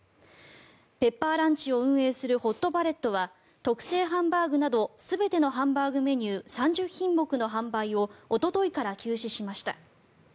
ペッパーランチを運営するホットパレットは特製ハンバーグなど全てのハンバーグメニュー３０品目の販売をおとといから休止しました。